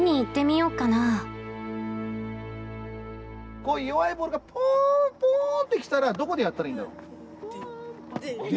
こういう弱いボールが来たらどこでやったらいいんだろう？